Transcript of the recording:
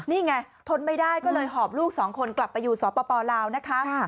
นี่ไงทนไม่ได้ก็เลยหอบลูกสองคนกลับไปอยู่สปลาวนะคะ